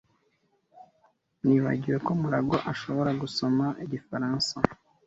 Nibagiwe ko MuragwA ashobora gusoma igifaransa.